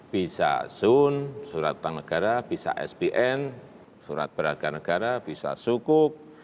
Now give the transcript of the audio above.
bisa zun surat utang negara bisa spn surat beragam negara bisa sukup